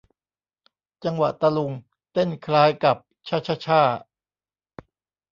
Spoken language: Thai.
จังหวะตะลุง เต้นคล้ายกับชะชะช่า